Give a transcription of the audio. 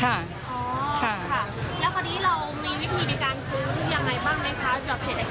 และพอดีเรามีวิธีในการซื้อยังไงบ้างไหมคะ